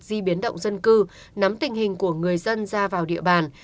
di biến động dân cư nắm tình hình của người dân ra vào địa bàn